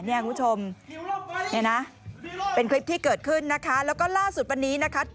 คุณผู้ชมเนี่ยนะเป็นคลิปที่เกิดขึ้นนะคะแล้วก็ล่าสุดวันนี้นะคะ